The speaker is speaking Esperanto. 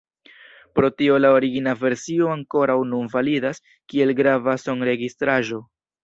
Pro tio la origina versio ankoraŭ nun validas kiel grava sonregistraĵo.